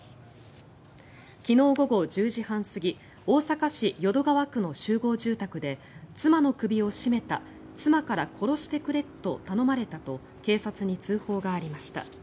昨日午後１０時半過ぎ大阪市淀川区の集合住宅で妻の首を絞めた妻から殺してくれと頼まれたと警察に通報がありました。